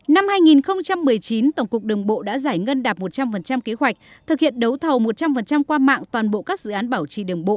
năm hai nghìn một mươi chín tổng cục đường bộ đã giải ngân đạp một trăm linh kế hoạch thực hiện đấu thầu một trăm linh qua mạng toàn bộ các dự án bảo trì đường bộ